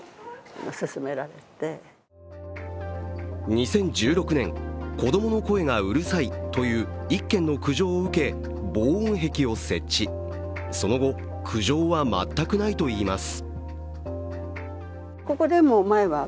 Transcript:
２０１６年、子供の声がうるさいという１件の苦情を受け防音壁を設置、その後、苦情は全くないといいます。